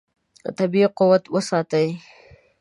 طبیعي قوت وساتئ.